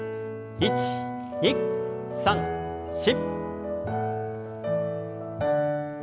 １２３４。